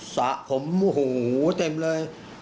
สระผมหูเต็มเลย